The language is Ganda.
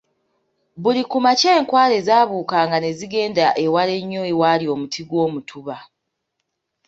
Buli ku makya enkwale zaabukanga ne zigenda ewala ennyo ewaali omuti gw'omutuba.